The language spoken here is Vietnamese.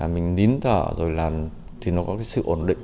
mình nín thở rồi là thì nó có cái sự ổn định